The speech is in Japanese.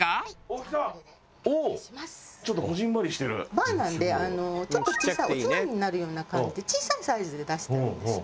バーなのでちょっと小さいおつまみになるような感じで小さいサイズで出してるんですよ。